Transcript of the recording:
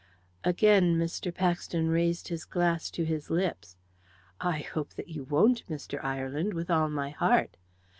Again Mr. Paxton raised his glass to his lips. "I hope that you won't, Mr. Ireland, with all my heart."